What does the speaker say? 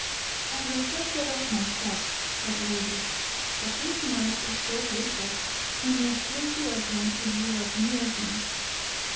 "I will take care of myself," said Laili; "but this man is so wicked, he may kill you again if you are near him."